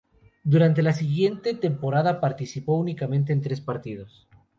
Durante la siguiente temporada participó únicamente en tres partidos.